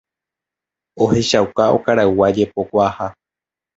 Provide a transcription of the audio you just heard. ohechauka okaraygua jepokuaaha